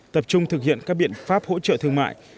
tập trung thực hiện các biện pháp hỗ trợ thương mại